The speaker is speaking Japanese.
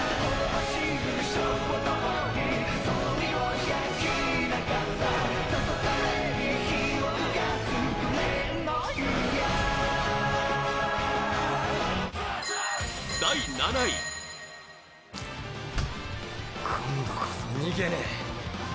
武道：今度こそ逃げねえ。